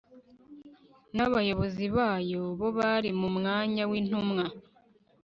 n'abayobozi bayo, bo bari mu mwanya w'intumwa